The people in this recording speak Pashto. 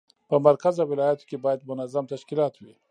په مرکز او ولایاتو کې باید منظم تشکیلات وي.